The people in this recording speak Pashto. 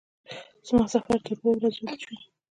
زما سفر تر اوو ورځو اوږد شو.